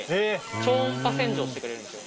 超音波洗浄してくれるんですよ。